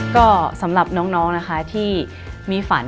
ก็สำหรับน้องนะคะที่มีฝัน